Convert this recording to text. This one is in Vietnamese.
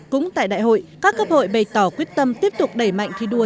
cũng tại đại hội các cấp hội bày tỏ quyết tâm tiếp tục đẩy mạnh thi đua